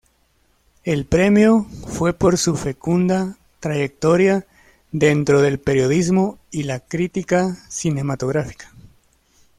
El premio fue por su fecunda trayectoria dentro del periodismo y la crítica cinematográfica.